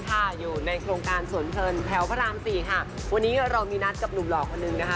ค่ะอยู่ในโครงการสวนเพลินแถวพระรามสี่ค่ะวันนี้เรามีนัดกับหนุ่มหล่อคนหนึ่งนะคะ